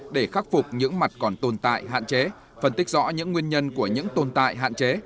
để khắc phục những mặt còn tồn tại hạn chế phân tích rõ những nguyên nhân của những tồn tại hạn chế